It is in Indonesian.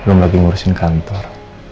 belum lagi ngurusin kantor